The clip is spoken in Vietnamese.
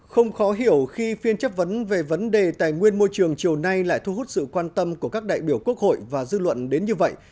không khó hiểu khi phiên chất vấn về vấn đề tài nguyên môi trường chiều nay lại thu hút sự quan tâm của các đại biểu quốc hội và dư luận đến như vậy